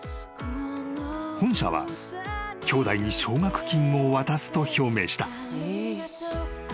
［本社は兄弟に奨学金を渡すと表明した］